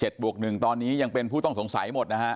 บวก๑ตอนนี้ยังเป็นผู้ต้องสงสัยหมดนะฮะ